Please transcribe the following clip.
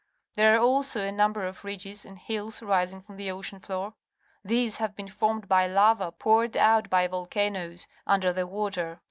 There are also a nu mber of ridges jind hills rising from the ocean floor. These have been formed by lava poured out by volcanoes under the water.